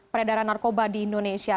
peredaran narkoba di indonesia